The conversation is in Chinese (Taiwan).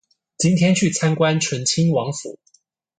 今天去參觀醇親王府